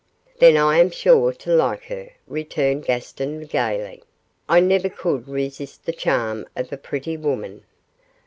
'Then I am sure to like her,' returned Gaston, gaily; 'I never could resist the charm of a pretty woman.